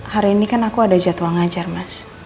hari ini kan aku ada jadwal ngajar mas